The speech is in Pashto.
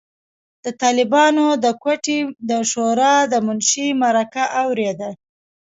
د طالبانو د کوټې د شورای د منشي مرکه اورېده.